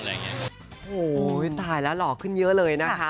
โอ้โหตายแล้วหล่อขึ้นเยอะเลยนะคะ